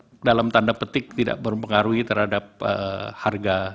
jadi ini tidak dalam tanda petik tidak berpengaruhi terhadap harga di pasar